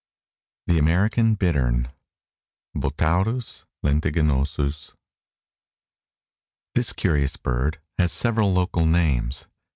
] THE AMERICAN BITTERN (Botaurus lentiginosus.) This curious bird has several local names.